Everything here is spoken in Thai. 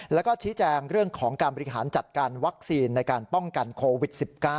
แล้วก็ชี้แจงเรื่องของการบริหารจัดการวัคซีนในการป้องกันโควิด๑๙